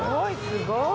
すごい！